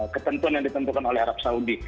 ketentuan yang ditentukan oleh arab saudi